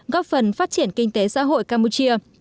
góp phần phát triển kinh tế xã hội campuchia